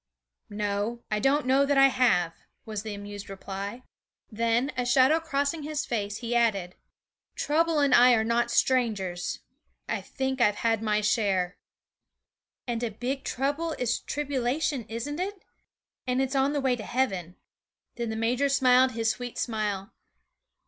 'No, I don't know that I have,' was the amused reply. Then, a shadow crossing his face, he added: 'Trouble and I are not strangers. I think I have had my share.' 'And a big trouble is tribulation, isn't it? And it's on the way to heaven.' Then the major smiled his sweet smile.